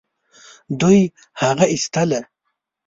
دوی هغه ايستله.